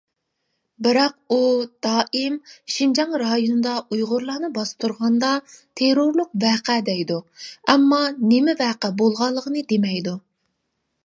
بىراق ئۇ دائىم شىنجاڭ رايونىدا ئۇيغۇرلارنى باستۇرغاندا تېررورلۇق ۋەقە دەيدۇ، ئەمما نېمە ۋەقە بولغانلىقىنى دېمەيدۇ.